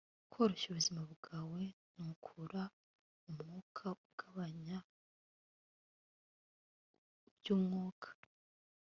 koroshya ubuzima bwawe ntukura mu mwuka, ugabanya iby'umwuka